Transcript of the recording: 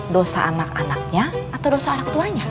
dosa anak anaknya atau dosa orang tuanya